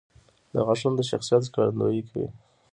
• غاښونه د شخصیت ښکارندویي کوي.